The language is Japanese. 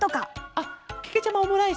あっけけちゃまオムライス？